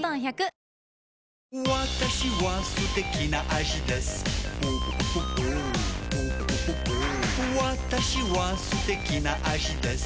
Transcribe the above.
私は素敵な味です